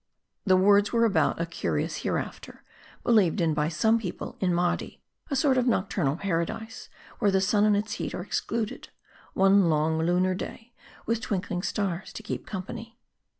The words were about a curious hereafter, believed in by some people in Mardi : a sort of nocturnal Paradise, where the sun and its heat are excluded : one long, lunar day, with twinkling stars to keep company.